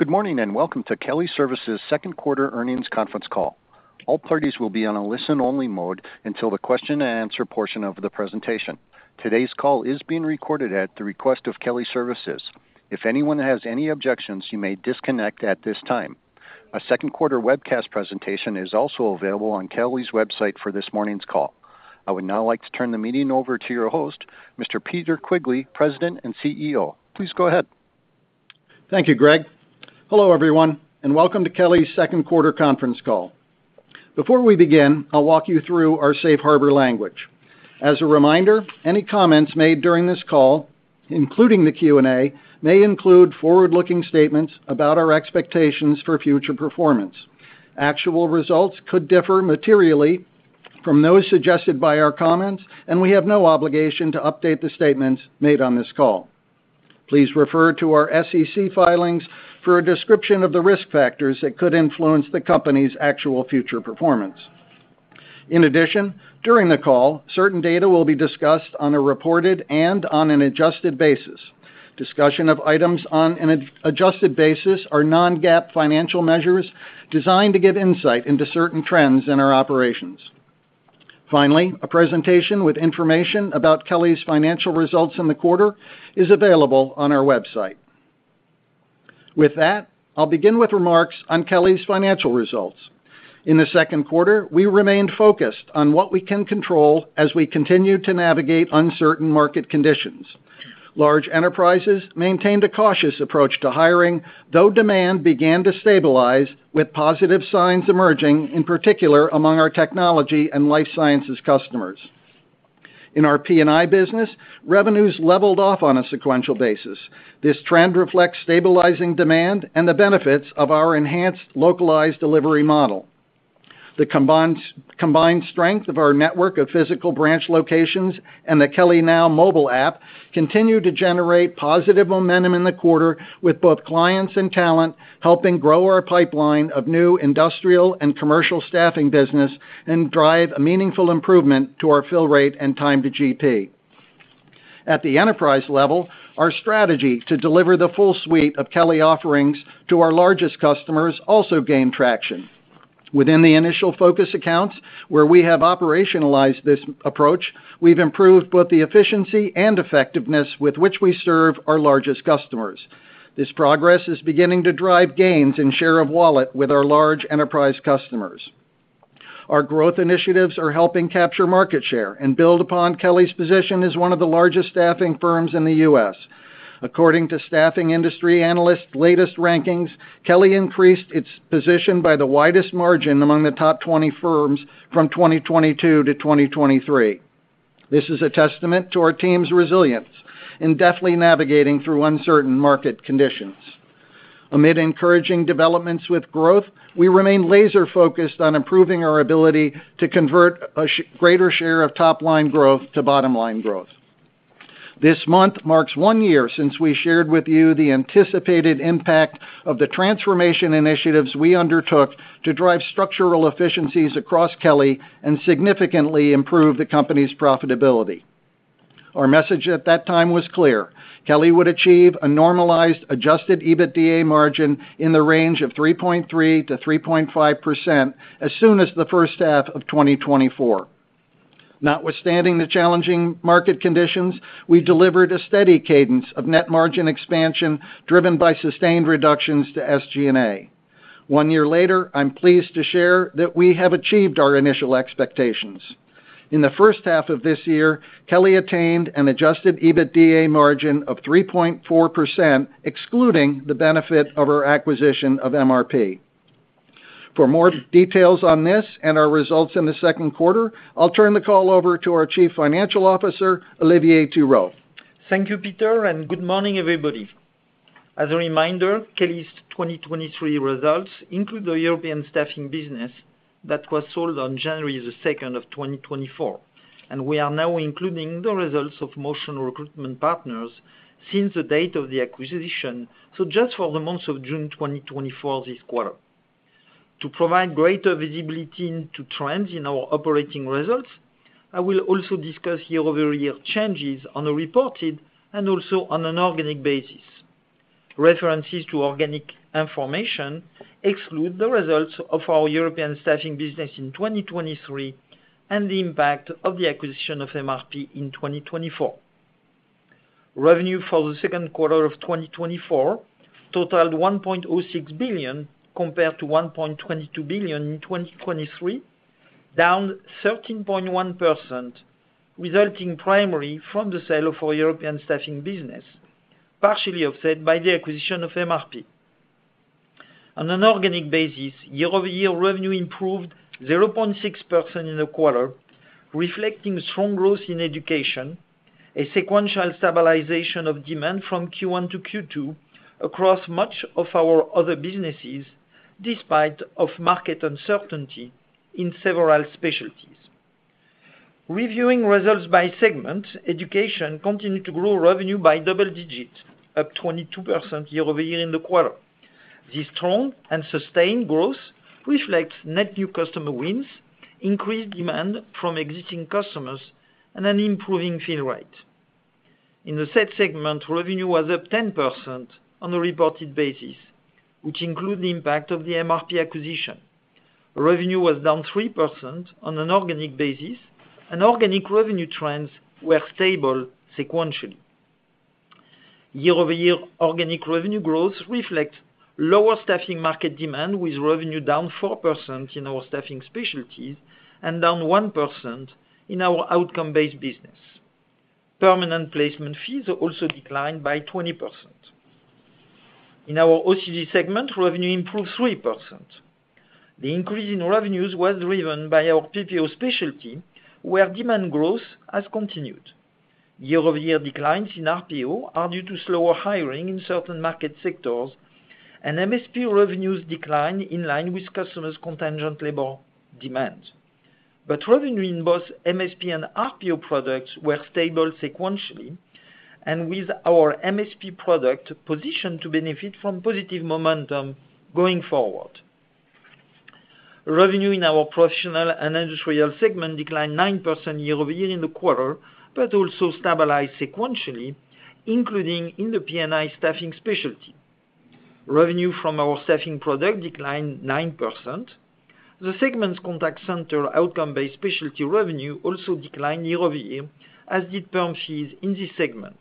Good morning, and welcome to Kelly Services' Second Quarter Earnings Conference Call. All parties will be on a listen-only mode until the question-and-answer portion of the presentation. Today's call is being recorded at the request of Kelly Services. If anyone has any objections, you may disconnect at this time. A second quarter webcast presentation is also available on Kelly's website for this morning's call. I would now like to turn the meeting over to your host, Mr. Peter Quigley, President and CEO. Please go ahead. Thank you, Greg. Hello, everyone, and welcome to Kelly's second quarter conference call. Before we begin, I'll walk you through our Safe Harbor language. As a reminder, any comments made during this call, including the Q&A, may include forward-looking statements about our expectations for future performance. Actual results could differ materially from those suggested by our comments, and we have no obligation to update the statements made on this call. Please refer to our SEC filings for a description of the risk factors that could influence the company's actual future performance. In addition, during the call, certain data will be discussed on a reported and on an adjusted basis. Discussion of items on an adjusted basis are non-GAAP financial measures designed to give insight into certain trends in our operations. Finally, a presentation with information about Kelly's financial results in the quarter is available on our website. With that, I'll begin with remarks on Kelly's financial results. In the second quarter, we remained focused on what we can control as we continue to navigate uncertain market conditions. Large enterprises maintained a cautious approach to hiring, though demand began to stabilize, with positive signs emerging, in particular among our technology and life sciences customers. In our P&I business, revenues leveled off on a sequential basis. This trend reflects stabilizing demand and the benefits of our enhanced localized delivery model. The combined strength of our network of physical branch locations and the Kelly Now mobile app continue to generate positive momentum in the quarter with both clients and talent, helping grow our pipeline of new industrial and commercial staffing business, and drive a meaningful improvement to our fill rate and time to GP. At the enterprise level, our strategy to deliver the full suite of Kelly offerings to our largest customers also gained traction. Within the initial focus accounts, where we have operationalized this approach, we've improved both the efficiency and effectiveness with which we serve our largest customers. This progress is beginning to drive gains in share of wallet with our large enterprise customers. Our growth initiatives are helping capture market share and build upon Kelly's position as one of the largest staffing firms in the US. According to Staffing Industry Analysts' latest rankings, Kelly increased its position by the widest margin among the top 20 firms from 2022 to 2023. This is a testament to our team's resilience in deftly navigating through uncertain market conditions. Amid encouraging developments with growth, we remain laser-focused on improving our ability to convert a greater share of top-line growth to bottom-line growth. This month marks 1 year since we shared with you the anticipated impact of the transformation initiatives we undertook to drive structural efficiencies across Kelly and significantly improve the company's profitability. Our message at that time was clear: Kelly would achieve a normalized adjusted EBITDA margin in the range of 3.3%-3.5% as soon as the first half of 2024. Notwithstanding the challenging market conditions, we delivered a steady cadence of net margin expansion, driven by sustained reductions to SG&A. One year later, I'm pleased to share that we have achieved our initial expectations. In the first half of this year, Kelly attained an adjusted EBITDA margin of 3.4%, excluding the benefit of our acquisition of MRP. For more details on this and our results in the second quarter, I'll turn the call over to our Chief Financial Officer, Olivier Thirot. Thank you, Peter, and good morning, everybody. As a reminder, Kelly's 2023 results include the European staffing business that was sold on January 2, 2024, and we are now including the results of Motion Recruitment Partners since the date of the acquisition, so just for the month of June 2024 this quarter. To provide greater visibility into trends in our operating results, I will also discuss year-over-year changes on a reported and also on an organic basis. References to organic information exclude the results of our European staffing business in 2023 and the impact of the acquisition of MRP in 2024. Revenue for the second quarter of 2024 totaled $1.06 billion, compared to $1.22 billion in 2023, down 13.1%, resulting primarily from the sale of our European staffing business, partially offset by the acquisition of MRP. On an organic basis, year-over-year revenue improved 0.6% in the quarter, reflecting strong growth in Education, a sequential stabilization of demand from Q1 to Q2 across much of our other businesses, despite of market uncertainty in several specialties. Reviewing results by segment, Education continued to grow revenue by double digits, up 22% year-over-year in the quarter. This strong and sustained growth reflects net new customer wins, increased demand from existing customers, and an improving fill rate. In the SET segment, revenue was up 10% on a reported basis, which include the impact of the MRP acquisition. Revenue was down 3% on an organic basis, and organic revenue trends were stable sequentially. Year-over-year organic revenue growth reflects lower staffing market demand, with revenue down 4% in our staffing specialties and down 1% in our outcome-based business. Permanent placement fees also declined by 20%. In our OCG segment, revenue improved 3%. The increase in revenues was driven by our PPO specialty, where demand growth has continued. Year-over-year declines in RPO are due to slower hiring in certain market sectors, and MSP revenues decline in line with customers' contingent labor demands. But revenue in both MSP and RPO products were stable sequentially, and with our MSP product positioned to benefit from positive momentum going forward. Revenue in our Professional & Industrial segment declined 9% year-over-year in the quarter, but also stabilized sequentially, including in the P&I staffing specialty. Revenue from our staffing product declined 9%. The segment's contact center outcome-based specialty revenue also declined year-over-year, as did perm fees in this segment.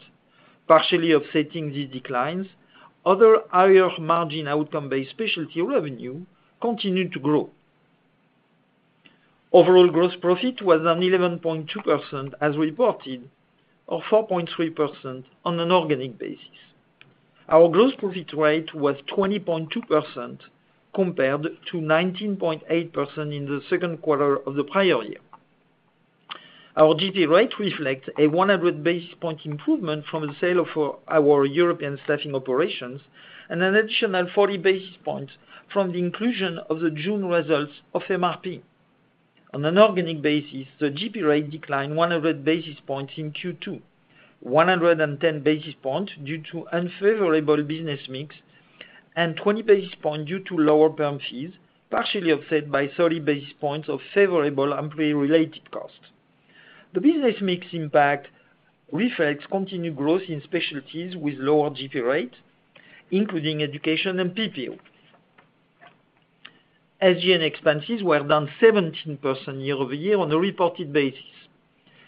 Partially offsetting these declines, other higher margin outcome-based specialty revenue continued to grow. Overall, gross profit was 11.2% as reported, or 4.3% on an organic basis. Our gross profit rate was 20.2%, compared to 19.8% in the second quarter of the prior year. Our GP rate reflects a 100 basis point improvement from the sale of our European staffing operations, and an additional 40 basis points from the inclusion of the June results of MRP. On an organic basis, the GP rate declined 100 basis points in Q2, 110 basis points due to unfavorable business mix, and 20 basis points due to lower perm fees, partially offset by 30 basis points of favorable employee-related costs. The business mix impact reflects continued growth in specialties with lower GP rate, including Education and PPO. SG&A expenses were down 17% year-over-year on a reported basis.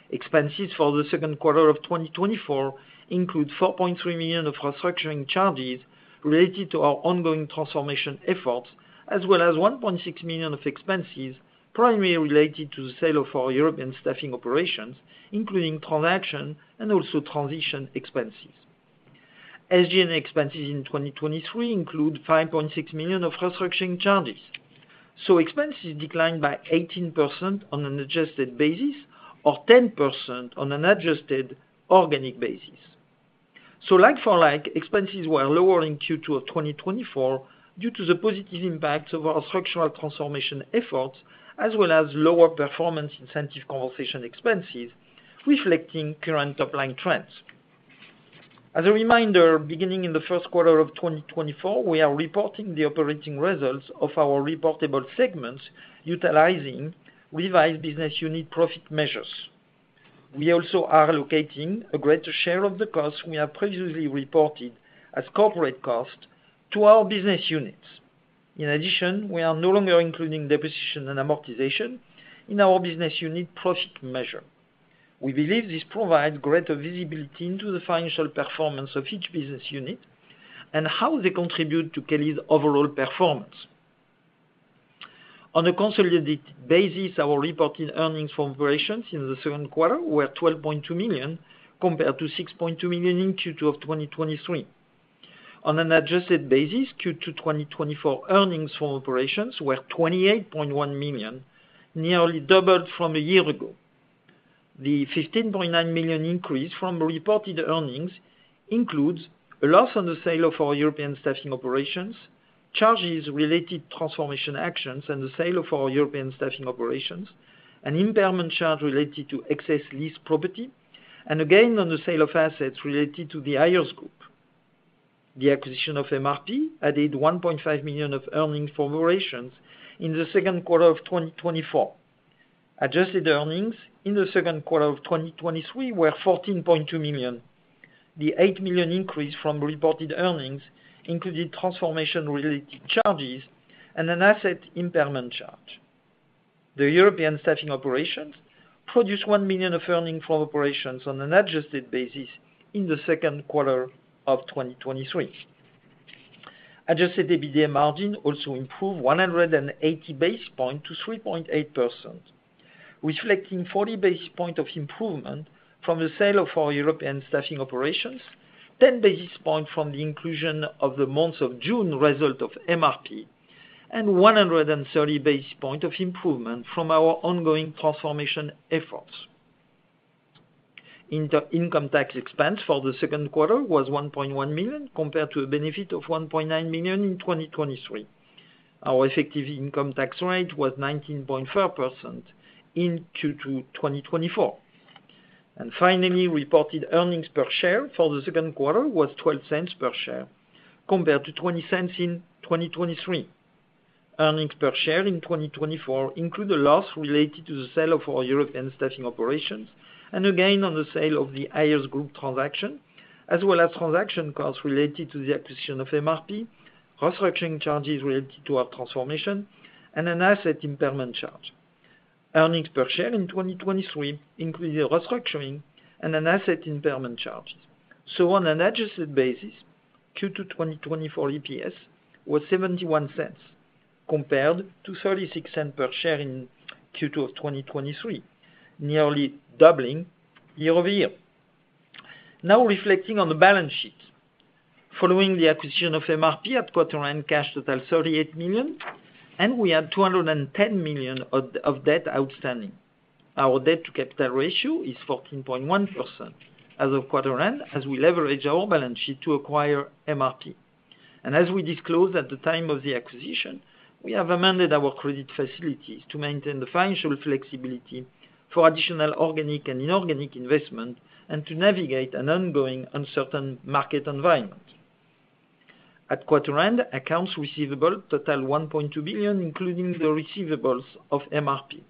Expenses for the second quarter of 2024 include $4.3 million of restructuring charges related to our ongoing transformation efforts, as well as $1.6 million of expenses, primarily related to the sale of our European staffing operations, including transaction and also transition expenses. SG&A expenses in 2023 include $5.6 million of restructuring charges. So expenses declined by 18% on an adjusted basis or 10% on an adjusted organic basis. So like for like, expenses were lower in Q2 of 2024 due to the positive impacts of our structural transformation efforts, as well as lower performance incentive compensation expenses, reflecting current top-line trends. As a reminder, beginning in the first quarter of 2024, we are reporting the operating results of our reportable segments utilizing revised business unit profit measures. We also are allocating a greater share of the costs we have previously reported as corporate costs to our business units. In addition, we are no longer including depreciation and amortization in our business unit profit measure. We believe this provides greater visibility into the financial performance of each business unit and how they contribute to Kelly's overall performance. On a consolidated basis, our reported earnings from operations in the second quarter were $12.2 million, compared to $6.2 million in Q2 of 2023. On an adjusted basis, Q2 2024 earnings from operations were $28.1 million, nearly doubled from a year ago. The $15.9 million increase from reported earnings includes a loss on the sale of our European staffing operations, charges related to transformation actions, and the sale of our European staffing operations, an impairment charge related to excess lease property, and again, on the sale of assets related to the Ayers Group. The acquisition of MRP added $1.5 million of earnings from operations in the second quarter of 2024. Adjusted earnings in the second quarter of 2023 were $14.2 million. The $8 million increase from reported earnings included transformation-related charges and an asset impairment charge. The European staffing operations produced $1 million of earnings from operations on an adjusted basis in the second quarter of 2023. Adjusted EBITDA margin also improved 180 basis points to 3.8%, reflecting 40 basis points of improvement from the sale of our European staffing operations, 10 basis points from the inclusion of the months of June result of MRP, and 130 basis points of improvement from our ongoing transformation efforts. Income tax expense for the second quarter was $1.1 million, compared to a benefit of $1.9 million in 2023. Our effective income tax rate was 19.4% in Q2 2024. And finally, reported earnings per share for the second quarter was $0.12 per share, compared to $0.20 in 2023. Earnings per share in 2024 include a loss related to the sale of our European staffing operations, and again, on the sale of the Ayers Group transaction, as well as transaction costs related to the acquisition of MRP, restructuring charges related to our transformation, and an asset impairment charge. Earnings per share in 2023 included restructuring and an asset impairment charges. So on an adjusted basis, Q2 2024 EPS was $0.71, compared to $0.36 per share in Q2 of 2023, nearly doubling year-over-year. Now reflecting on the balance sheet. Following the acquisition of MRP at quarter end, cash total $38 million, and we had $210 million of debt outstanding. Our debt-to-capital ratio is 14.1% as of quarter end, as we leverage our balance sheet to acquire MRP. As we disclosed at the time of the acquisition, we have amended our credit facilities to maintain the financial flexibility for additional organic and inorganic investment, and to navigate an ongoing, uncertain market environment. At quarter end, accounts receivable total $1.2 billion, including the receivables of MRP.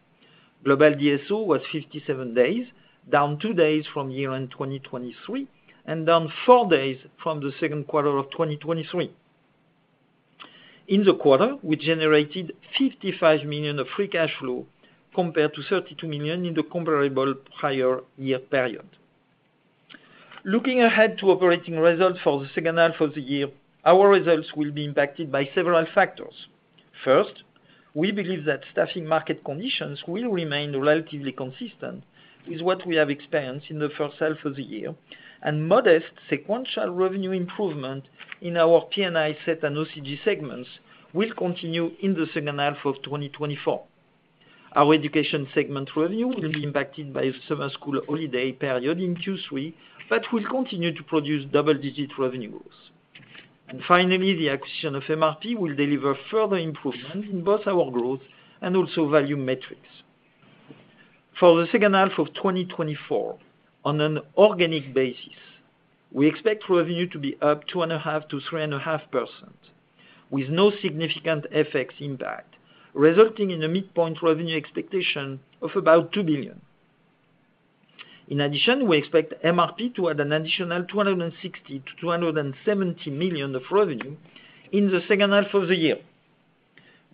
Global DSO was 57 days, down 2 days from year-end 2023, and down 4 days from the second quarter of 2023. In the quarter, we generated $55 million of free cash flow, compared to $32 million in the comparable prior year period. Looking ahead to operating results for the second half of the year, our results will be impacted by several factors. First, we believe that staffing market conditions will remain relatively consistent with what we have experienced in the first half of the year, and modest sequential revenue improvement in our P&I, SET and OCG segments will continue in the second half of 2024. Our Education segment revenue will be impacted by summer school holiday period in Q3, but will continue to produce double-digit revenue growth. And finally, the acquisition of MRP will deliver further improvement in both our growth and also value metrics. For the second half of 2024, on an organic basis, we expect revenue to be up 2.5%-3.5%, with no significant FX impact, resulting in a midpoint revenue expectation of about $2 billion. In addition, we expect MRP to add an additional $260 million-$270 million of revenue in the second half of the year.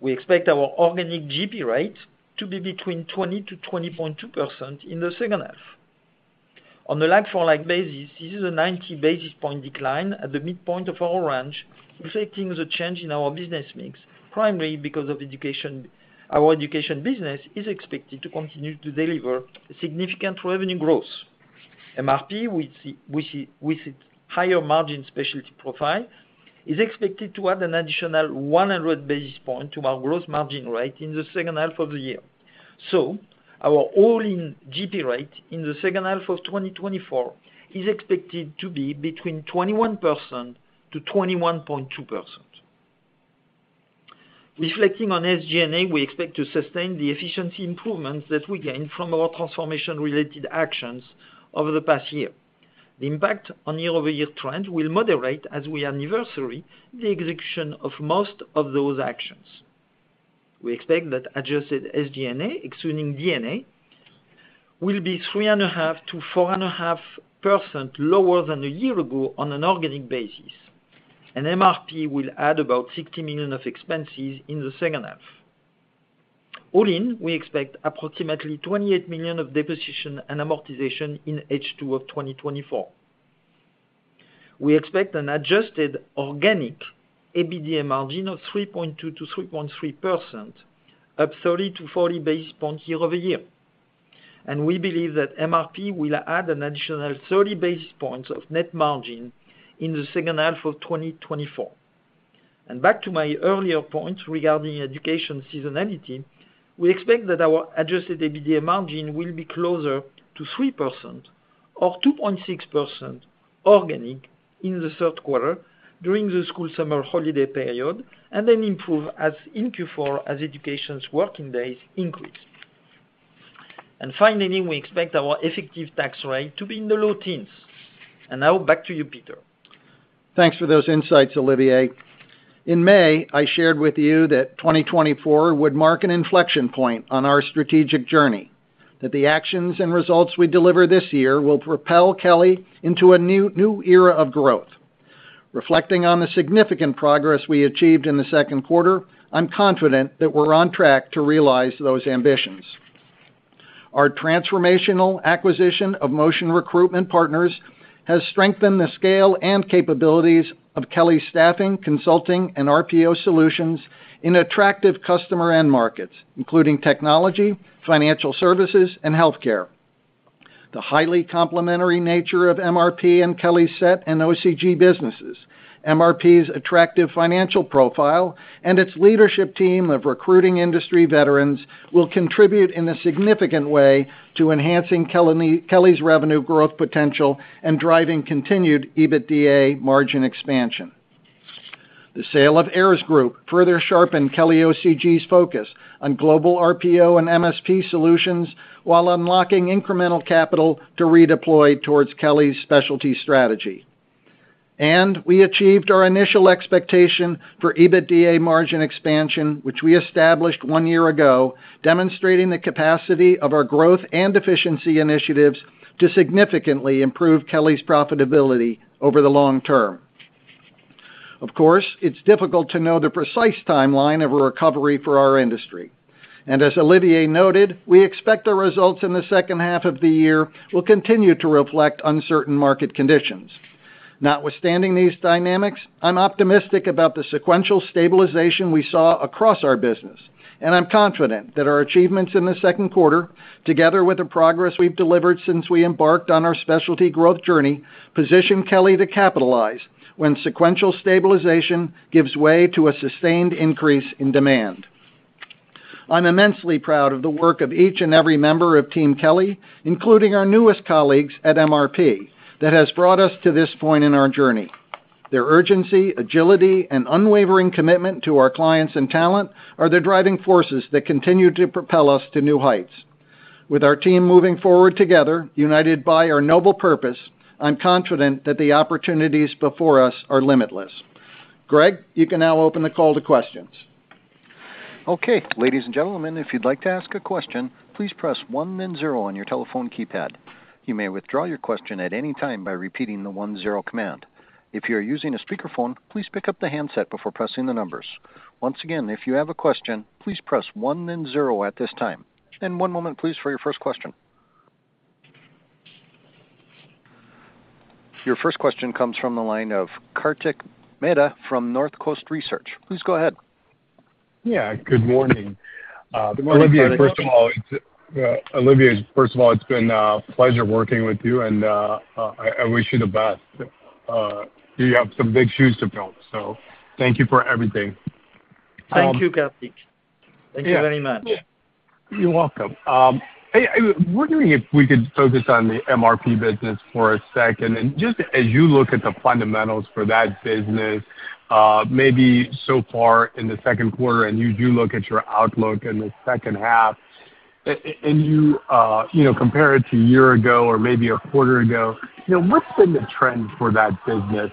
We expect our organic GP rate to be between 20%-20.2% in the second half. On a like-for-like basis, this is a 90 basis points decline at the midpoint of our range, reflecting the change in our business mix, primarily because of Education, our Education business is expected to continue to deliver significant revenue growth. MRP, with its higher margin specialty profile, is expected to add an additional 100 basis points to our gross margin rate in the second half of the year. So our all-in GP rate in the second half of 2024 is expected to be between 21%-21.2%. Reflecting on SG&A, we expect to sustain the efficiency improvements that we gained from our transformation-related actions over the past year. The impact on year-over-year trend will moderate as we anniversary the execution of most of those actions. We expect that adjusted SG&A, excluding D&A, will be 3.5%-4.5% lower than a year ago on an organic basis, and MRP will add about $60 million of expenses in the second half. All in, we expect approximately $28 million of depreciation and amortization in H2 of 2024. We expect an adjusted organic EBITDA margin of 3.2%-3.3%, up 30-40 basis points year-over-year. And we believe that MRP will add an additional 30 basis points of net margin in the second half of 2024. Back to my earlier point regarding Education seasonality, we expect that our adjusted EBITDA margin will be closer to 3% or 2.6% organic in the third quarter during the school summer holiday period, and then improve as in Q4 as Education's working days increase. Finally, we expect our effective tax rate to be in the low teens. Now back to you, Peter. Thanks for those insights, Olivier. In May, I shared with you that 2024 would mark an inflection point on our strategic journey, that the actions and results we deliver this year will propel Kelly into a new, new era of growth. Reflecting on the significant progress we achieved in the second quarter, I'm confident that we're on track to realize those ambitions. Our transformational acquisition of Motion Recruitment Partners has strengthened the scale and capabilities of Kelly Staffing, Consulting, and RPO Solutions in attractive customer end markets, including technology, financial services, and healthcare. The highly complementary nature of MRP and Kelly SET and OCG businesses, MRP's attractive financial profile, and its leadership team of recruiting industry veterans will contribute in a significant way to enhancing Kelly's revenue growth potential and driving continued EBITDA margin expansion. The sale of Ayers Group further sharpened Kelly OCG's focus on global RPO and MSP solutions, while unlocking incremental capital to redeploy towards Kelly's specialty strategy.... We achieved our initial expectation for EBITDA margin expansion, which we established one year ago, demonstrating the capacity of our growth and efficiency initiatives to significantly improve Kelly's profitability over the long term. Of course, it's difficult to know the precise timeline of a recovery for our industry, and as Olivier noted, we expect the results in the second half of the year will continue to reflect uncertain market conditions. Notwithstanding these dynamics, I'm optimistic about the sequential stabilization we saw across our business, and I'm confident that our achievements in the second quarter, together with the progress we've delivered since we embarked on our specialty growth journey, position Kelly to capitalize when sequential stabilization gives way to a sustained increase in demand. I'm immensely proud of the work of each and every member of Team Kelly, including our newest colleagues at MRP, that has brought us to this point in our journey. Their urgency, agility, and unwavering commitment to our clients and talent are the driving forces that continue to propel us to new heights. With our team moving forward together, united by our noble purpose, I'm confident that the opportunities before us are limitless. Greg, you can now open the call to questions. Okay, ladies and gentlemen, if you'd like to ask a question, please press one then zero on your telephone keypad. You may withdraw your question at any time by repeating the one zero command. If you're using a speakerphone, please pick up the handset before pressing the numbers. Once again, if you have a question, please press one then zero at this time. One moment, please, for your first question. Your first question comes from the line of Kartik Mehta from North Coast Research. Please go ahead. Yeah, good morning. Olivier, first of all, it's been a pleasure working with you, and I wish you the best. You have some big shoes to fill, so thank you for everything. Thank you, Kartik. Thank you very much. You're welcome. I was wondering if we could focus on the MRP business for a second, and just as you look at the fundamentals for that business, maybe so far in the second quarter, and you do look at your outlook in the second half, and you know, compare it to a year ago or maybe a quarter ago, you know, what's been the trend for that business?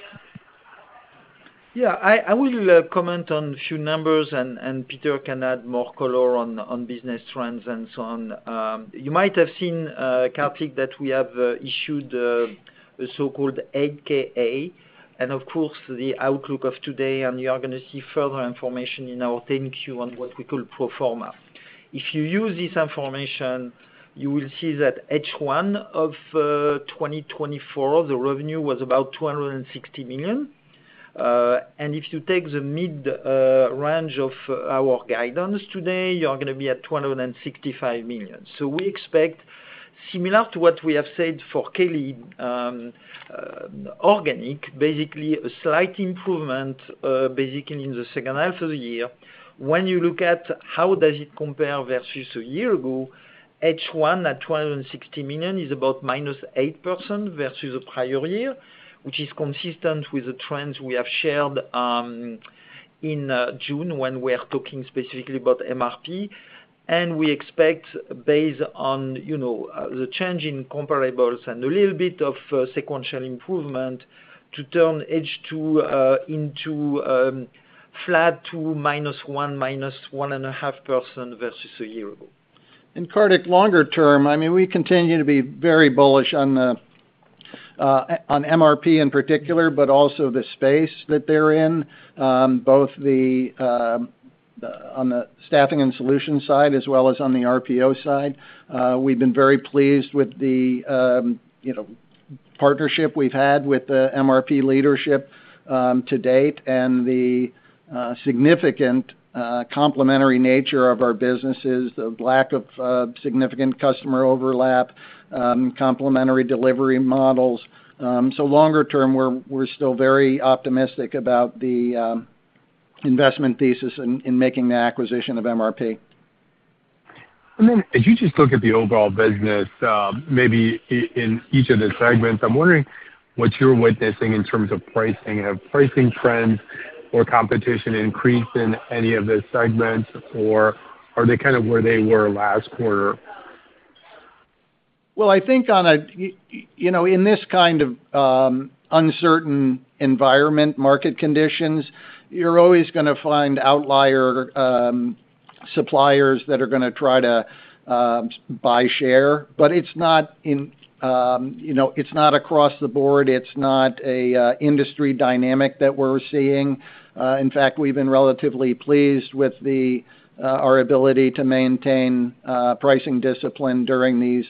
Yeah, I will comment on a few numbers, and Peter can add more color on business trends and so on. You might have seen, Kartik, that we have issued a so-called 8-K, and of course, the outlook of today, and you are gonna see further information in our 10-Q on what we call pro forma. If you use this information, you will see that H1 of 2024, the revenue was about $260 million. And if you take the mid range of our guidance today, you're gonna be at $265 million. So we expect, similar to what we have said for Kelly, organic, basically a slight improvement, basically in the second half of the year. When you look at how does it compare versus a year ago, H1 at $260 million is about -8% versus the prior year, which is consistent with the trends we have shared, in June, when we are talking specifically about MRP. And we expect, based on, you know, the change in comparables and a little bit of, sequential improvement to turn H2, into, flat to -1%-1.5% versus a year ago. Kartik, longer term, I mean, we continue to be very bullish on MRP in particular, but also the space that they're in, both on the staffing and solution side, as well as on the RPO side. We've been very pleased with the, you know, partnership we've had with the MRP leadership, to date, and the significant complementary nature of our businesses, the lack of significant customer overlap, complementary delivery models. So longer term, we're still very optimistic about the investment thesis in making the acquisition of MRP. And then, as you just look at the overall business, maybe in each of the segments, I'm wondering what you're witnessing in terms of pricing. Have pricing trends or competition increased in any of the segments, or are they kind of where they were last quarter? Well, I think on a, you know, in this kind of uncertain environment, market conditions, you're always gonna find outlier suppliers that are gonna try to buy share, but it's not in, you know, it's not across the board. It's not a industry dynamic that we're seeing. In fact, we've been relatively pleased with the our ability to maintain pricing discipline during these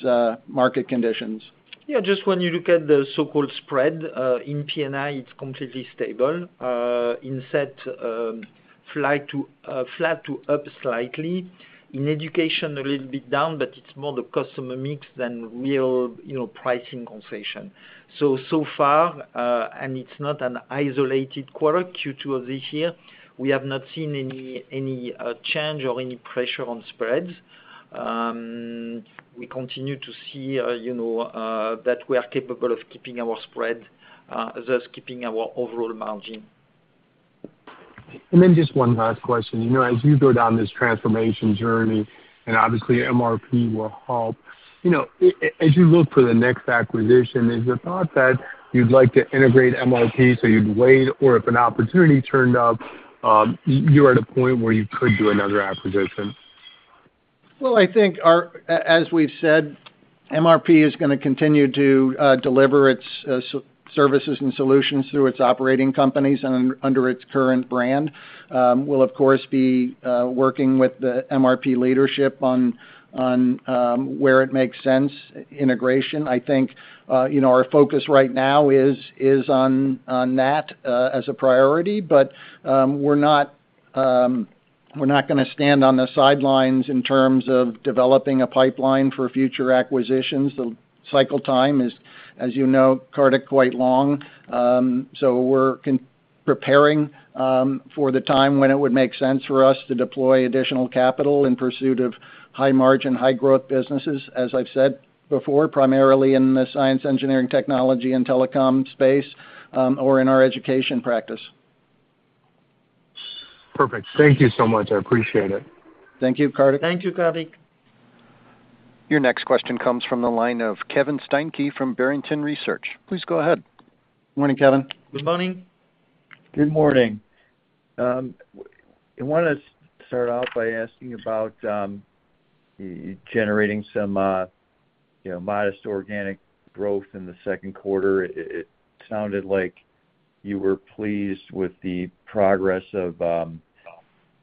market conditions. Yeah, just when you look at the so-called spread in P&I, it's completely stable. In SET, flat to up slightly. In Education, a little bit down, but it's more the customer mix than real, you know, pricing concession. So, so far, and it's not an isolated quarter Q2 of this year, we have not seen any change or any pressure on spreads. We continue to see, you know, that we are capable of keeping our spread, thus keeping our overall margin. And then just one last question. You know, as you go down this transformation journey, and obviously MRP will help, you know, as you look for the next acquisition, is the thought that you'd like to integrate MRP, so you'd wait, or if an opportunity turned up, you are at a point where you could do another acquisition? Well, I think as we've said, MRP is gonna continue to deliver its services and solutions through its operating companies and under its current brand. We'll of course be working with the MRP leadership on where it makes sense, integration. I think, you know, our focus right now is on that as a priority. But we're not gonna stand on the sidelines in terms of developing a pipeline for future acquisitions. The cycle time is, as you know, Kartik, quite long. So we're preparing for the time when it would make sense for us to deploy additional capital in pursuit of high margin, high growth businesses, as I've said before, primarily in the science, engineering, technology, and telecom space, or in our Education practice. Perfect. Thank you so much. I appreciate it. Thank you, Kartik. Thank you, Kartik. Your next question comes from the line of Kevin Steinke from Barrington Research. Please go ahead. Good morning, Kevin. Good morning. Good morning. I wanna start out by asking you about your generating some, you know, modest organic growth in the second quarter. It sounded like you were pleased with the progress of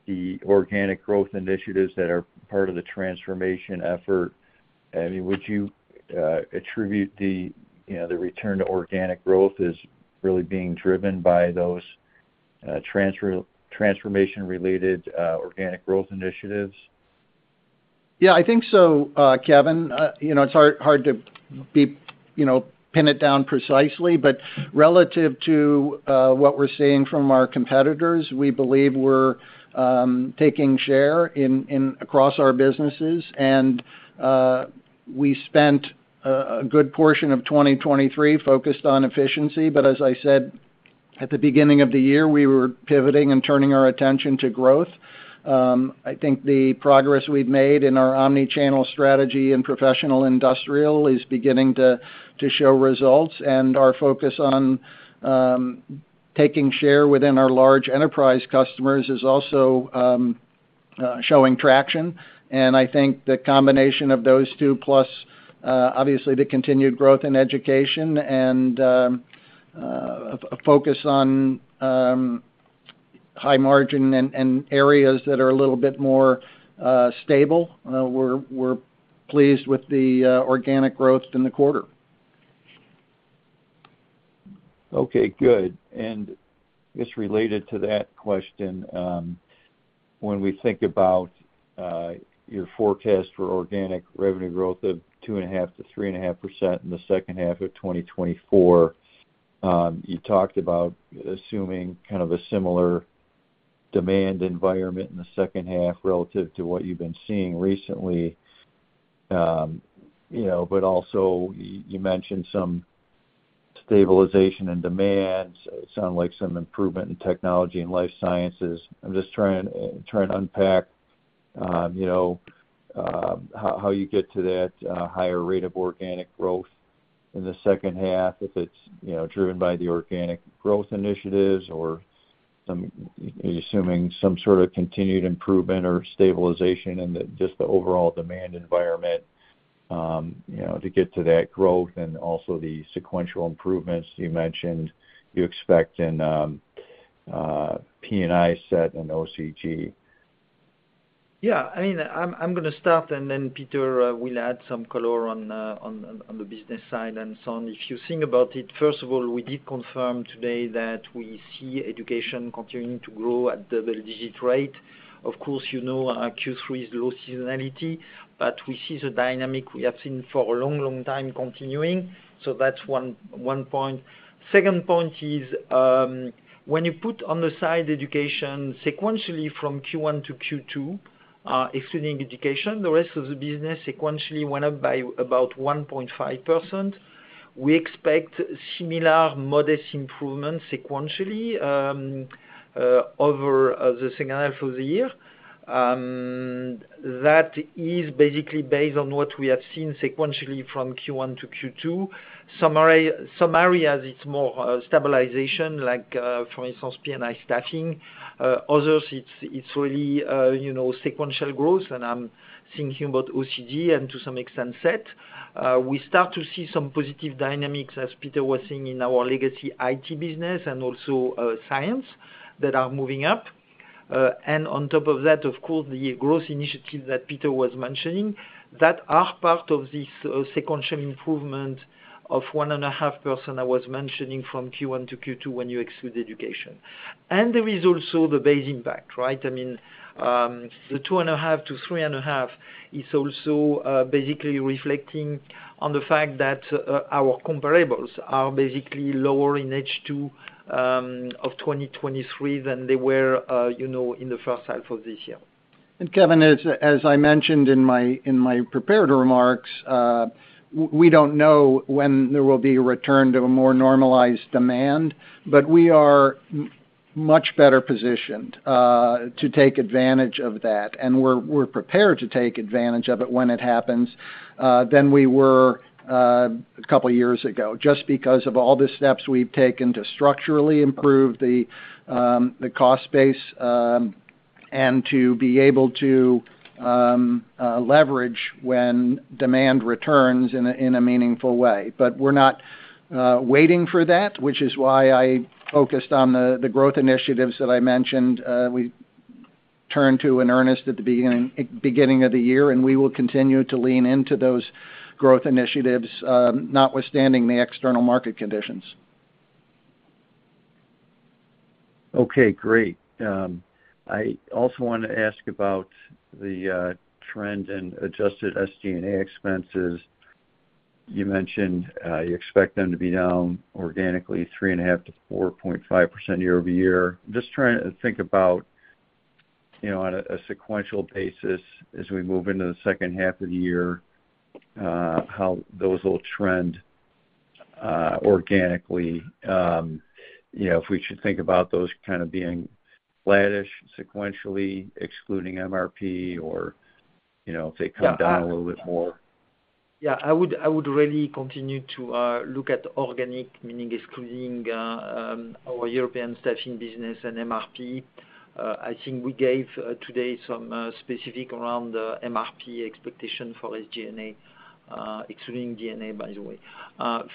the organic growth initiatives that are part of the transformation effort. I mean, would you attribute the, you know, the return to organic growth as really being driven by those, transformation-related, organic growth initiatives? Yeah, I think so, Kevin. You know, it's hard to be, you know, pin it down precisely, but relative to what we're seeing from our competitors, we believe we're taking share in across our businesses. And we spent a good portion of 2023 focused on efficiency. But as I said, at the beginning of the year, we were pivoting and turning our attention to growth. I think the progress we've made in our omni-channel strategy and professional industrial is beginning to show results. And our focus on taking share within our large enterprise customers is also showing traction. I think the combination of those two, plus, obviously the continued growth in Education and a focus on high margin and areas that are a little bit more stable. We're pleased with the organic growth in the quarter. Okay, good. And just related to that question, when we think about your forecast for organic revenue growth of 2.5%-3.5% in the second half of 2024, you talked about assuming kind of a similar demand environment in the second half relative to what you've been seeing recently. You know, but also you mentioned some stabilization in demands, it sounded like some improvement in technology and life sciences. I'm just trying to unpack, you know, how you get to that higher rate of organic growth in the second half, if it's, you know, driven by the organic growth initiatives or some, are you assuming some sort of continued improvement or stabilization in the, just the overall demand environment, you know, to get to that growth, and also the sequential improvements you mentioned you expect in, P&I SET and OCG? Yeah, I mean, I'm, I'm gonna start, and then Peter will add some color on, on, on the business side and so on. If you think about it, first of all, we did confirm today that we see Education continuing to grow at double-digit rate. Of course, you know, Q3 is low seasonality, but we see the dynamic we have seen for a long, long time continuing. So that's one, one point. Second point is, when you put on the side Education sequentially from Q1 to Q2, excluding Education, the rest of the business sequentially went up by about 1.5%. We expect similar modest improvements sequentially over the second half of the year. That is basically based on what we have seen sequentially from Q1 to Q2. Some areas, it's more stabilization, like for instance, P&I staffing. Others, it's really, you know, sequential growth, and I'm thinking about OCG and to some extent, SET. We start to see some positive dynamics, as Peter was saying, in our legacy IT business and also science that are moving up. And on top of that, of course, the growth initiatives that Peter was mentioning, that are part of this sequential improvement of 1.5% I was mentioning from Q1 to Q2, when you exclude Education. And there is also the base impact, right? I mean, the 2.5-3.5 is also basically reflecting on the fact that our comparables are basically lower in H2 of 2023 than they were, you know, in the first half of this year. And Kevin, as I mentioned in my prepared remarks, we don't know when there will be a return to a more normalized demand, but we are much better positioned to take advantage of that, and we're prepared to take advantage of it when it happens than we were a couple years ago, just because of all the steps we've taken to structurally improve the cost base and to be able to leverage when demand returns in a meaningful way. But we're not waiting for that, which is why I focused on the growth initiatives that I mentioned. We turned to in earnest at the beginning of the year, and we will continue to lean into those growth initiatives notwithstanding the external market conditions. Okay, great. I also want to ask about the trend in adjusted SG&A expenses. You mentioned you expect them to be down organically 3.5%-4.5% year-over-year. Just trying to think about, you know, on a sequential basis as we move into the second half of the year, how those will trend organically. You know, if we should think about those kind of being flattish sequentially, excluding MRP, or, you know, if they come down a little bit more? Yeah, I would, I would really continue to look at organic, meaning excluding our European staffing business and MRP. I think we gave today some specific around the MRP expectation for SG&A, excluding G&A, by the way,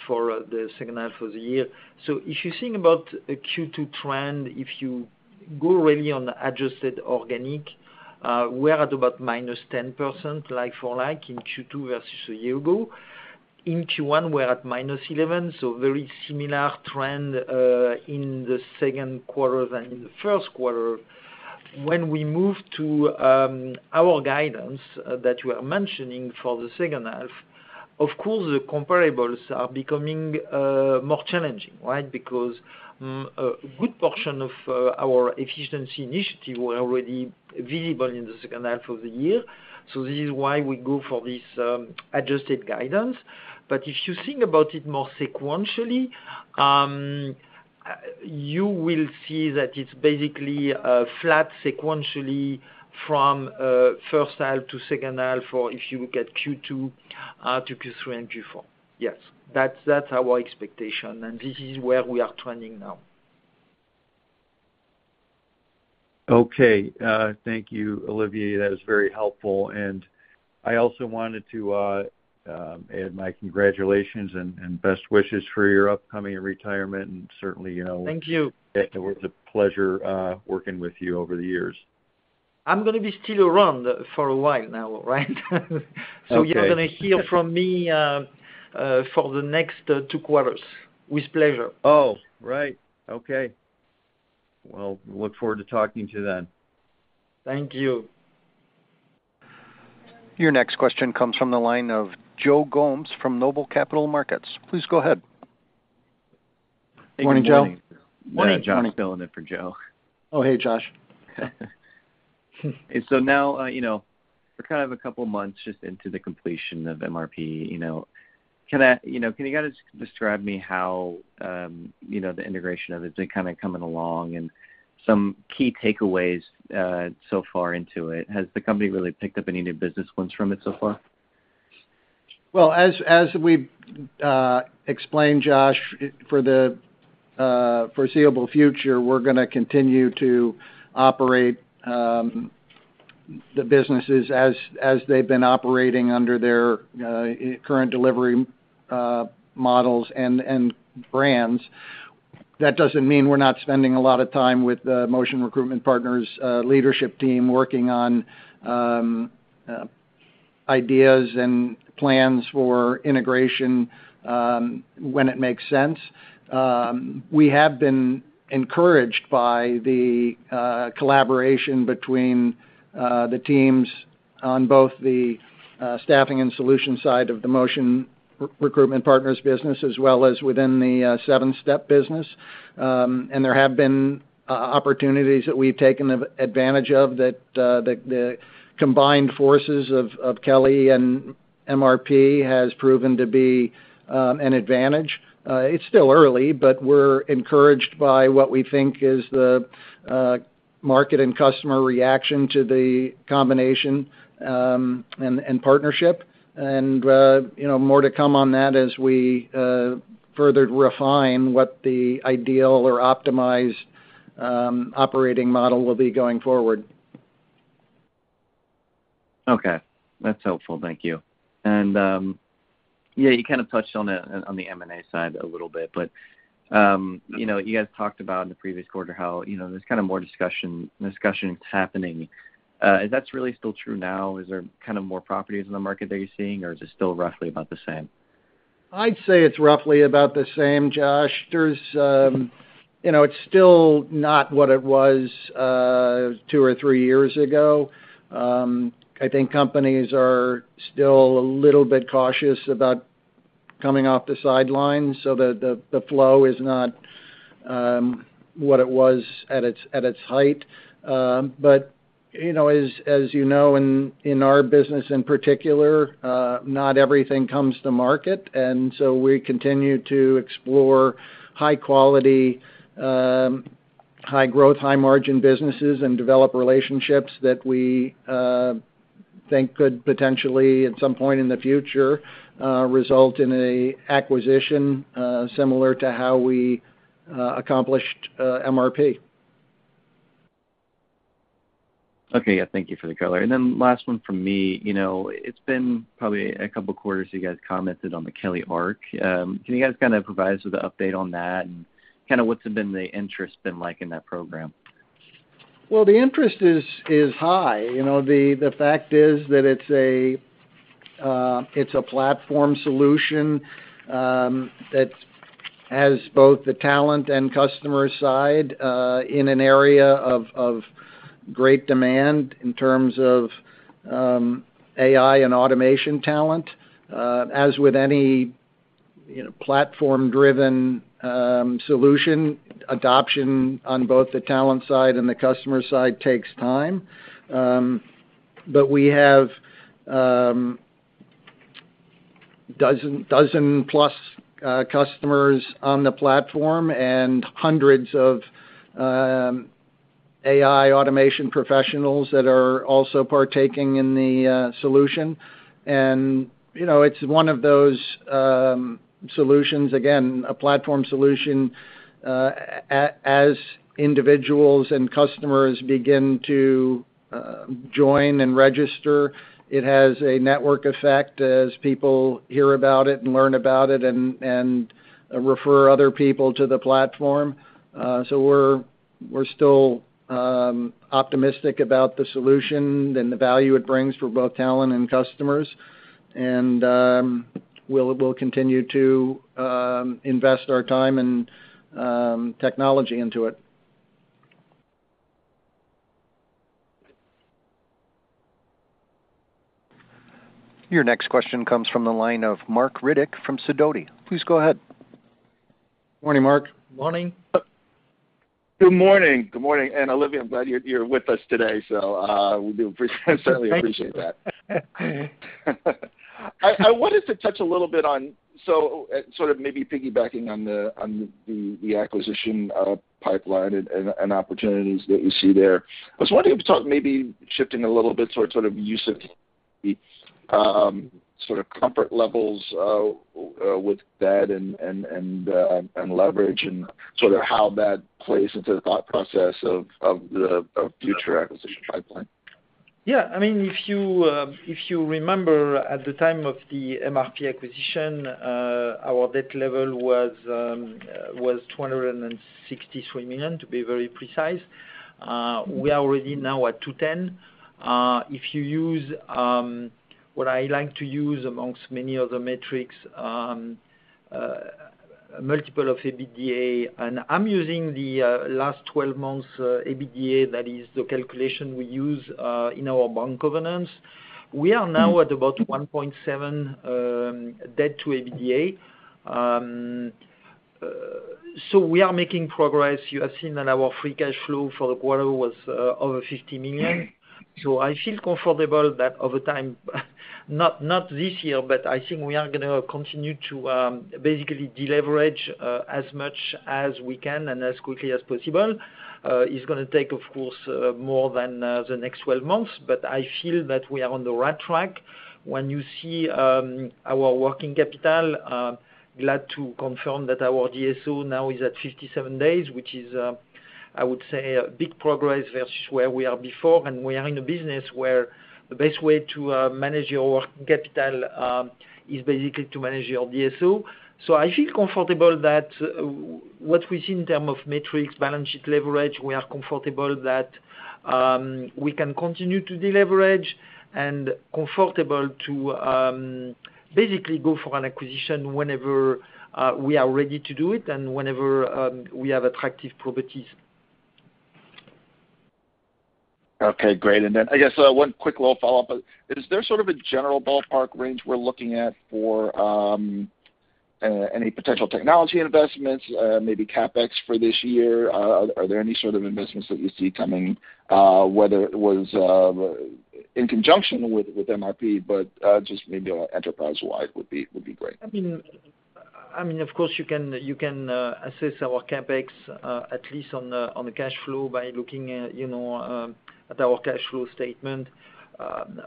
for the second half of the year. So if you think about a Q2 trend, if you go really on the adjusted organic, we're at about minus 10%, like for like, in Q2 versus a year ago. In Q1, we're at minus 11%, so very similar trend in the second quarter than in the first quarter. When we move to our guidance that you are mentioning for the second half, of course, the comparables are becoming more challenging, right? Because a good portion of our efficiency initiative were already visible in the second half of the year. So this is why we go for this, adjusted guidance. But if you think about it more sequentially, you will see that it's basically flat sequentially from first half to second half, or if you look at Q2 to Q3 and Q4. Yes, that's, that's our expectation, and this is where we are trending now. Okay. Thank you, Olivier. That is very helpful. I also wanted to add my congratulations and best wishes for your upcoming retirement, and certainly, you know- Thank you. It was a pleasure working with you over the years. I'm gonna be still around for a while now, right? Okay. You're gonna hear from me for the next two quarters, with pleasure. Oh, right. Okay. Well, look forward to talking to you then. Thank you. Your next question comes from the line of Joe Gomes from NOBLE Capital Markets. Please go ahead. Morning, Joe. Good morning. Morning, Josh filling in for Joe. Oh, hey, Josh. And so now, you know, we're kind of a couple months just into the completion of MRP, you know, can you guys describe me how, you know, the integration of it been kind of coming along and some key takeaways so far into it? Has the company really picked up any new business wins from it so far? Well, as we explained, Josh, for the foreseeable future, we're gonna continue to operate the businesses as they've been operating under their current delivery models and brands. That doesn't mean we're not spending a lot of time with the Motion Recruitment Partners leadership team, working on ideas and plans for integration when it makes sense. We have been encouraged by the collaboration between the teams on both the staffing and solution side of the Motion Recruitment Partners business, as well as within the Sevenstep business. And there have been opportunities that we've taken advantage of, that the combined forces of Kelly and MRP has proven to be an advantage. It's still early, but we're encouraged by what we think is the market and customer reaction to the combination, and partnership. And, you know, more to come on that as we further refine what the ideal or optimized operating model will be going forward. Okay. That's helpful. Thank you. And yeah, you kind of touched on the on the M&A side a little bit, but you know, you guys talked about in the previous quarter how, you know, there's kind of more discussion, discussions happening. Is that's really still true now? Is there kind of more properties in the market that you're seeing, or is it still roughly about the same? I'd say it's roughly about the same, Josh. There's, you know, it's still not what it was, two or three years ago. I think companies are still a little bit cautious about coming off the sidelines, so the, the, the flow is not what it was at its, at its height. But, you know, as, as you know, in, in our business in particular, not everything comes to market, and so we continue to explore high quality, high growth, high margin businesses and develop relationships that we think could potentially, at some point in the future, result in an acquisition, similar to how we accomplished MRP. Okay, yeah, thank you for the color. And then last one from me. You know, it's been probably a couple quarters you guys commented on the Kelly Arc. Can you guys kind of provide us with an update on that, and kind of what's been the interest been like in that program? Well, the interest is high. You know, the fact is that it's a platform solution that has both the talent and customer side in an area of great demand in terms of AI and automation talent. As with any, you know, platform-driven solution, adoption on both the talent side and the customer side takes time. But we have dozen-plus customers on the platform and hundreds of AI automation professionals that are also partaking in the solution. And, you know, it's one of those solutions, again, a platform solution, as individuals and customers begin to join and register, it has a network effect as people hear about it and learn about it and refer other people to the platform. So we're still optimistic about the solution and the value it brings for both talent and customers. And we'll continue to invest our time and technology into it. Your next question comes from the line of Marc Riddick from Sidoti. Please go ahead. Morning, Marc. Morning. Good morning, good morning. And Olivier, I'm glad you're with us today, so we do appreciate, certainly appreciate that. I wanted to touch a little bit on, so sort of maybe piggybacking on the acquisition pipeline and opportunities that you see there. I was wondering if you could talk, maybe shifting a little bit towards sort of use of sort of comfort levels with that and leverage, and sort of how that plays into the thought process of the future acquisition pipeline. Yeah, I mean, if you remember at the time of the MRP acquisition, our debt level was $263 million, to be very precise. We are already now at $210 million. If you use what I like to use amongst many other metrics, multiple of EBITDA, and I'm using the last twelve months EBITDA, that is the calculation we use in our bank governance. We are now at about 1.7 debt to EBITDA. So we are making progress. You have seen that our free cash flow for the quarter was over $50 million. So I feel comfortable that over time, not this year, but I think we are gonna continue to basically deleverage as much as we can and as quickly as possible. It's gonna take, of course, more than the next 12 months, but I feel that we are on the right track. When you see our working capital, glad to confirm that our DSO now is at 57 days, which is, I would say, a big progress versus where we are before. And we are in a business where the best way to manage your working capital is basically to manage your DSO. So I feel comfortable that what we see in term of metrics, balance sheet leverage, we are comfortable that we can continue to deleverage, and comfortable to basically go for an acquisition whenever we are ready to do it and whenever we have attractive properties. Okay, great. And then I guess one quick little follow-up. Is there sort of a general ballpark range we're looking at for any potential technology investments, maybe CapEx for this year? Are there any sort of investments that you see coming, whether it was in conjunction with MRP, but just maybe enterprise-wide would be great? I mean, of course you can assess our CapEx, at least on the cash flow by looking at, you know, at our cash flow statement.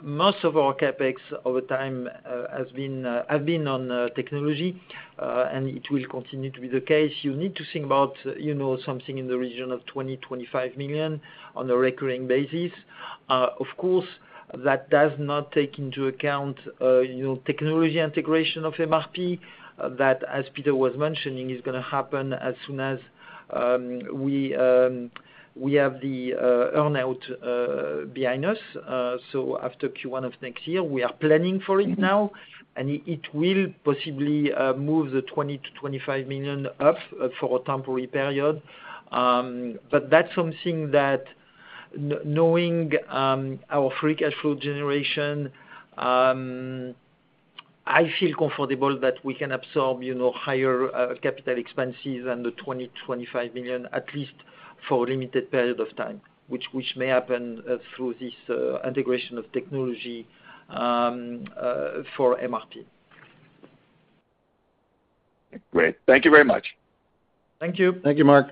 Most of our CapEx over time has been have been on technology, and it will continue to be the case. You need to think about, you know, something in the region of $20-$25 million on a recurring basis. Of course, that does not take into account, you know, technology integration of MRP. That, as Peter was mentioning, is gonna happen as soon as we have the earn-out behind us. So after Q1 of next year, we are planning for it now, and it will possibly move the $20-$25 million up for a temporary period. But that's something that knowing our free cash flow generation, I feel comfortable that we can absorb, you know, higher capital expenses than the $25 million, at least for a limited period of time, which may happen through this integration of technology for MRP. Great. Thank you very much. Thank you. Thank you, Mark.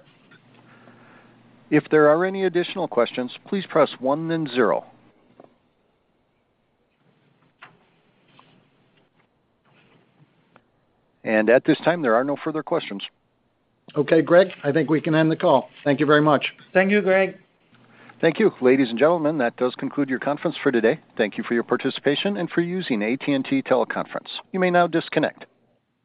If there are any additional questions, please press one then zero. At this time, there are no further questions. Okay, Greg, I think we can end the call. Thank you very much. Thank you, Greg. Thank you. Ladies and gentlemen, that does conclude your conference for today. Thank you for your participation and for using AT&T Teleconference. You may now disconnect.